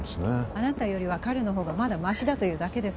あなたよりは彼のほうがまだマシだというだけです